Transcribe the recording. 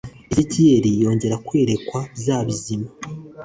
ezekiyeli yongera kwerekwa bya bizima